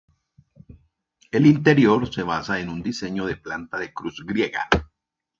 El interior se basa en un diseño de planta de cruz griega.